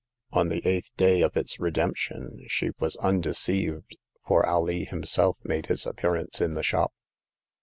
On the eighth day of its redemption she was un deceived, for Alee himself made his appearance in the shop.